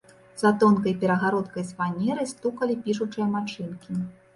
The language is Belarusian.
За тонкай перагародкай з фанеры стукаталі пішучыя машынкі.